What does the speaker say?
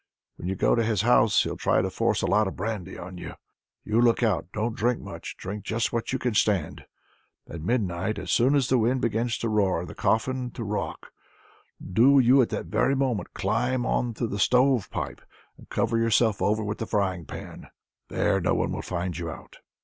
When you go to his house he'll try to force a lot of brandy on you. You look out, don't drink much, drink just what you can stand. At midnight, as soon as the wind begins to roar, and the coffin to rock, do you that very moment climb on to the stove pipe, and cover yourself over with the frying pan. There no one will find you out."